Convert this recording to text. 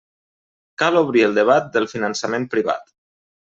Cal obrir el debat del finançament privat.